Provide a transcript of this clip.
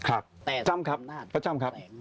ครับจำครับพระจำครับ